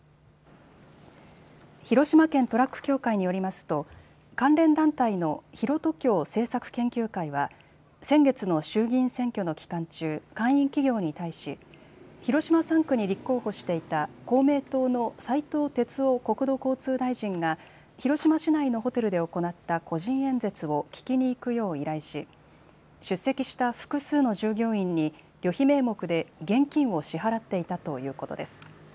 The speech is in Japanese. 広島県トラック協会によりますと関連団体の広ト協政策研究会は先月の衆議院選挙の期間中、会員企業に対し広島３区に立候補していた公明党の斉藤鉄夫国土交通大臣が広島市内のホテルで行った個人演説を聴きに行くよう依頼し出席した複数の従業員に旅費名目で現金を支払っていたということです。